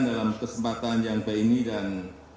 dalam kesempatan yang baik ini dan